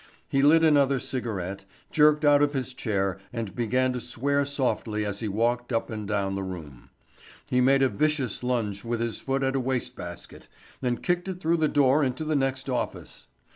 He lit another cigarette, jerked out of his chair and began to swear softly as he walked up and down the room. He made a vicious lunge with his foot at a waste basket and kicked it through the door into the next office.